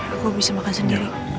aku bisa makan sendiri